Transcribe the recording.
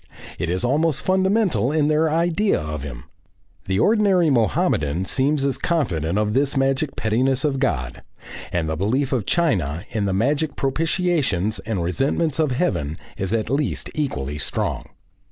It is almost fundamental in their idea of him. The ordinary Mohammedan seems as confident of this magic pettiness of God, and the belief of China in the magic propitiations and resentments of "Heaven" is at least equally strong.